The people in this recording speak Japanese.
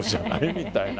みたいな。